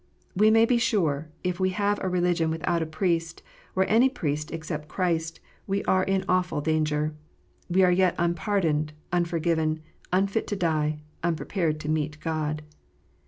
We may be sure, if we have a religion without a Priest, or any Priest except Christ, we are in awful danger : we are yet unpardoned, unforgiven, unfit to die, unprepared to meet God.